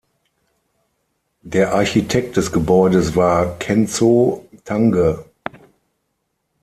Der Architekt des Gebäudes war Kenzō Tange.